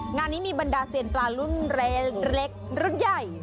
งานนี้มีบรรดาเซียนปลารุ่นเล็กรุ่นใหญ่